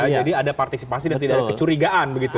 jadi ada partisipasi dan tidak ada kecurigaan begitu